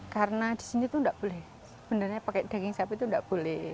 karena di sini itu tidak boleh sebenarnya pakai daging sapi itu tidak boleh